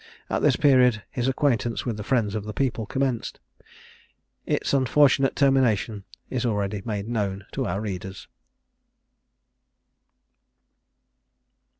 At this period his acquaintance with the Friends of the People commenced. Its unfortunate termination is already made known to our readers.